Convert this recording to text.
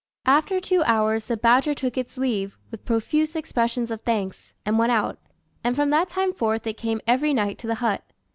After two hours the badger took its leave, with profuse expressions of thanks, and went out; and from that time forth it came every night to the hut.